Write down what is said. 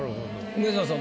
梅沢さん